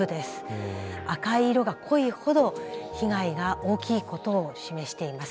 赤い色が濃いほど被害が大きいことを示しています。